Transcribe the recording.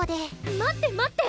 待って待って！